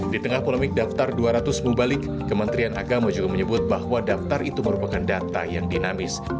di tengah polemik daftar dua ratus mubalik kementerian agama juga menyebut bahwa daftar itu merupakan data yang dinamis